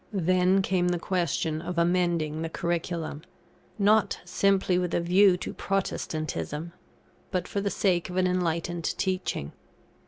Then came the question of amending the Curriculum, not simply with a view to Protestantism, but for the sake of an enlightened teaching.